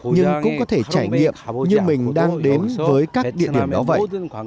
nhưng cũng có thể trải nghiệm như mình đang đến với các địa điểm đó vậy